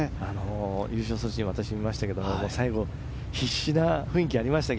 優勝するシーン見ましたが最後必死な雰囲気がありました。